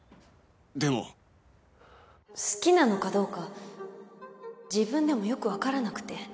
でも好きなのかどうか自分でもよくわからなくて。